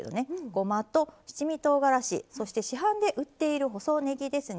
ごまと七味とうがらしそして市販で売っている細ねぎですね。